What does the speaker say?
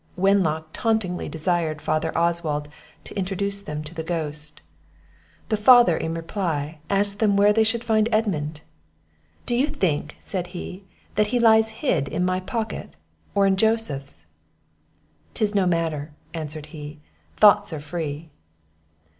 Wenlock tauntingly desired Father Oswald to introduce them to the ghost. The father, in reply, asked them where they should find Edmund. "Do you think," said he, "that he lies hid in my pocket, or in Joseph's?" "'Tis no matter," answered he; "thoughts are free."